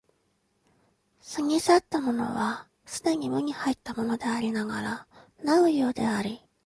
過ぎ去ったものは既に無に入ったものでありながらなお有であり、